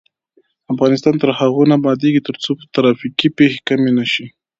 افغانستان تر هغو نه ابادیږي، ترڅو ترافیکي پیښې کمې نشي.